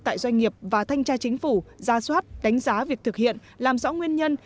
tại doanh nghiệp và thanh tra chính phủ ra soát đánh giá việc thực hiện làm rõ nguyên nhân